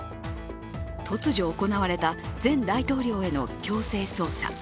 突如行われた前大統領への強制捜査。